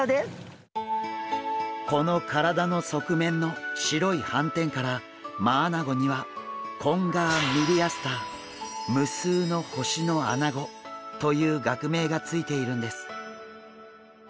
この体の側面の白い斑点からマアナゴには「無数の星のアナゴ」という学名が付いているんです。